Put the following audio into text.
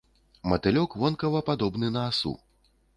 Матылёк вонкава падобны на асу.